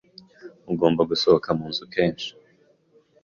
Ugomba gusohoka munzu kenshi.